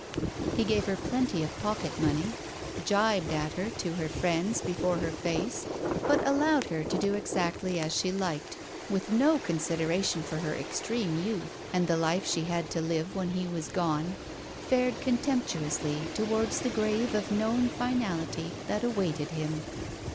He gave her plenty of pocket money, gibed at her to her friends before her face, but allowed her to do exactly as she liked, and with no consideration for her extreme youth and the life she had to live when he was gone, fared contemptuously towards the grave of known finality that awaited him.